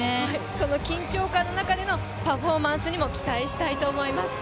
その緊張感の中でのパフォーマンスにも期待したいと思います。